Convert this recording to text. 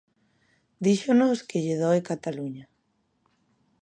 Díxonos que lle doe Cataluña.